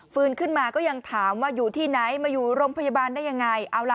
ขึ้นมาก็ยังถามว่าอยู่ที่ไหนมาอยู่โรงพยาบาลได้ยังไง